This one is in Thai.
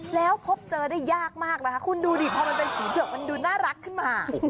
แล้วพบเจอได้ยากมากนะคะคุณดูดิพอมันเป็นสีเผือกมันดูน่ารักขึ้นมา